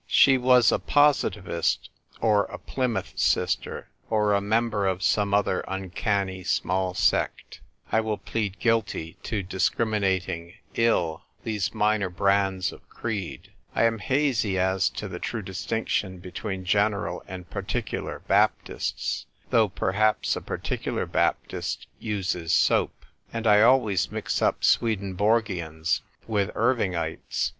She was a Positivist, or a Plymouth Sister, or a member of some other uncanny small sect ; I will plead guilty to discriminating ill these minor brands of creed ; I am hazy as to the true distinction between General and Particular Baptists (though, perhaps, a Particuhir Baptist uses soap) ; and I always mix up Sweden borgians with Irvirgites.